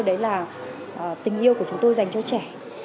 đấy là tình yêu của chúng tôi dành cho trẻ